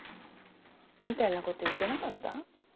みたいなこと言ってなかった？